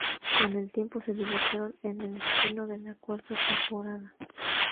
Con el tiempo, se divorciaron en el estreno de la cuarta temporada.